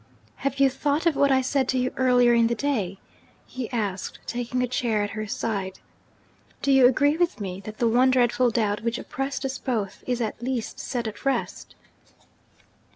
'Have you thought of what I said to you earlier in the day?' he asked, taking a chair at her side. 'Do you agree with me that the one dreadful doubt which oppressed us both is at least set at rest?'